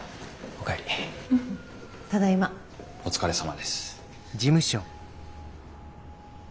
お疲れさまです。